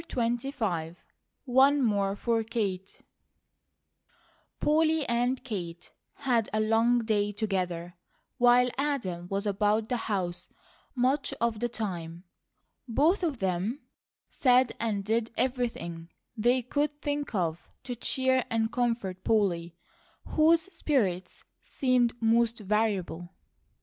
'" CHAPTER XXV ONE MORE FOR KATE POLLY and Kate had a long day together, while Adam was about the house much of the time. Both of them said and did everything they could think of to cheer and comfort Polly, whose spirits seemed most variable.